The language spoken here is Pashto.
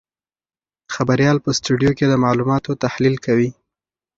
خبریال په سټوډیو کې د معلوماتو تحلیل کوي.